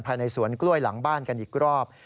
ภายในสวนกล้วยหลังบ้านกันอีกรอบ